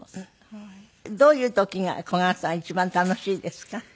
どういう時が小雁さんは一番楽しいですか？